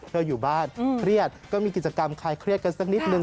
อยู่บ้านเครียดก็มีกิจกรรมคลายเครียดกันสักนิดนึง